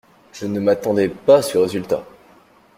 Je ne m’attendais pas à ce résultat.